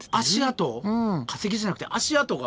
化石じゃなくて足跡が？